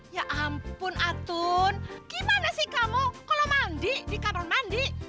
ya ampun atun gimana sih kamu kalau mandi di kamar mandi